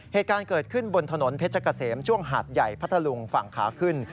เหตุการณ์เกิดขึ้นบนถนนเพชรเกษมช่วงหาดใหญ่พัทธลุงฝั่งขาขึ้น